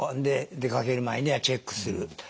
で出かける前にはチェックする。